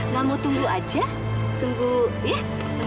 gak mau tunggu aja tunggu ya